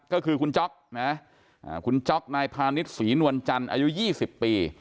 ก็คือคุณจ๊อกนะคุณจ๊อกนายพาณิชย์ศรีนวลจันทร์อายุ๒๐ปี